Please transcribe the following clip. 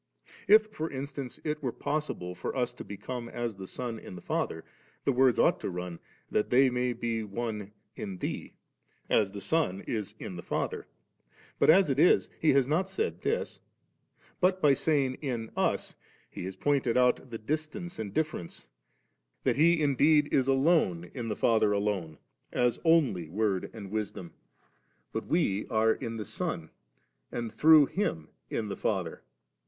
If, for instance, it were possible for us to become as the Son in the Father, the words ought to run, *that they may be one in Thee,* as the Son is in the Father; but, as it is. He has not said this ; but by saying « in Us ' He has pointed out the distance and <iifference; that He indeed is alone in the Father alone, as Only Word and Wisdom; but » Actsir. 4,3a. « Of. H. as, 4« • «uJrf<r«. A /Vtr. a, latt. ]d. 09. we in the Son, and through Him in the Father.